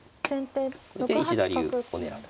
これで石田流を狙うと。